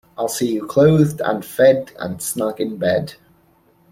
I’ll see you clothed and fed and snug in bed.